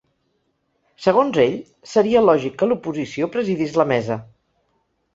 Segons ell, seria lògic que l’oposició presidís la mesa.